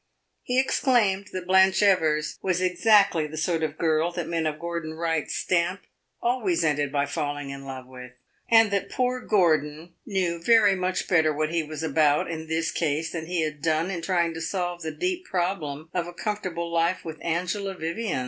He exclaimed that Blanche Evers was exactly the sort of girl that men of Gordon Wright's stamp always ended by falling in love with, and that poor Gordon knew very much better what he was about in this case than he had done in trying to solve the deep problem of a comfortable life with Angela Vivian.